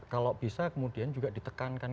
kalau bisa kemudian juga ditekankan